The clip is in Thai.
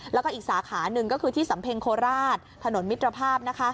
แล้วก็อีกสาขาหนึ่งก็คือที่สำเพ็งโคราชถนนมิตรภาพ